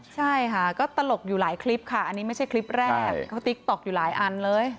ใช่ค่ะก็ตลกอยู่หลายคลิปค่ะอันนี้ไม่ใช่คลิปแรกเขาติ๊กต๊อกอยู่หลายอันเลย